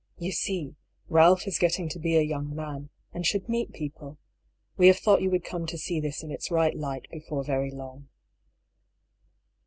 "You see, Ralph is getting to be a young man, and should meet people. We have thought you would come to see this in its right light before very long."